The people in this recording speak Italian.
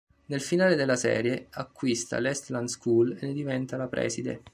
Nel finale della serie, acquista l'Eastland School e ne diventa la preside.